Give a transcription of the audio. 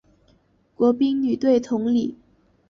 国乒女队同理。